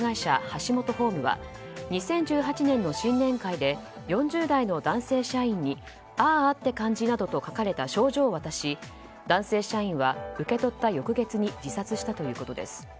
ハシモトホームは２０１８年の新年会で４０代の男性社員に「あーあって感じ」などと書かれた賞状を渡し男性社員は受け取った翌月に自殺したということです。